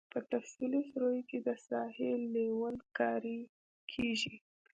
په تفصیلي سروې کې د ساحې لیول کاري کیږي